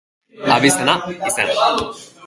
Abizena, Izena.